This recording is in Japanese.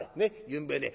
ゆんべね